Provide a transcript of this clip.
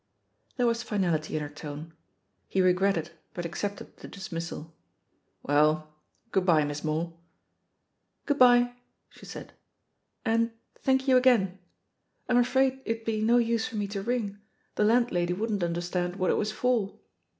There was finality in her tone. He regretted. iTHE POSITION OF PEGGY HABPEB 188 but accepted the dismissal. "Well, good bye. Miss Moore/* "Good bye/' she said. "And thank you again* ... I'm afraid it'd be no use for me to ring, the landlady wouldn't understand what it was for."